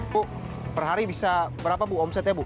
bu perhari bisa berapa bu omsetnya bu